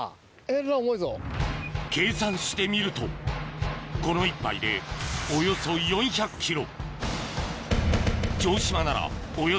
計算してみるとこの１杯でおよそそこでせの！